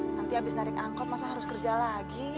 nanti habis narik angkot masa harus kerja lagi